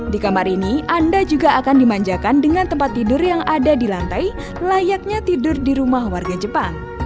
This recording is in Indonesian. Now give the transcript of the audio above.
di kamar ini anda juga akan dimanjakan dengan tempat tidur yang ada di lantai layaknya tidur di rumah warga jepang